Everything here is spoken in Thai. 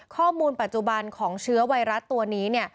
ข้อมูลปัจจุบันของเชื้อไวรัสตัวนี้